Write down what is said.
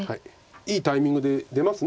いいタイミングで出ますね。